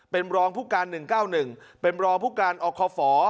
เป็นรองผู้การ๑๙๑เป็นรองผู้การอคฝ